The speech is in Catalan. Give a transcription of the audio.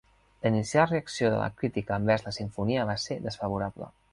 La inicial reacció de la crítica envers la simfonia va ser desfavorable.